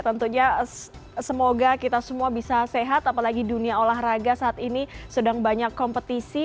tentunya semoga kita semua bisa sehat apalagi dunia olahraga saat ini sedang banyak kompetisi